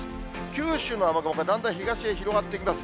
九州の雨雲がだんだん東へ広がってきます。